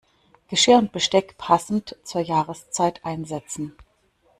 Geschirr und Besteck passend zur Jahreszeit einsetzen.